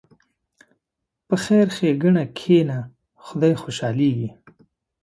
په خیر ښېګڼه کښېنه، خدای خوشحالېږي.